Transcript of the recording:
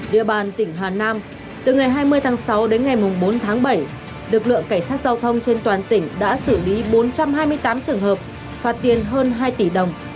địa bàn tỉnh hà nam từ ngày hai mươi tháng sáu đến ngày bốn tháng bảy lực lượng cảnh sát giao thông trên toàn tỉnh đã xử lý bốn trăm hai mươi tám trường hợp phạt tiền hơn hai tỷ đồng